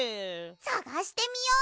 さがしてみよう！